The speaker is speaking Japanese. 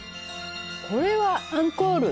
これはアンコール。